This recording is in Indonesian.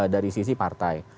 dari sisi partai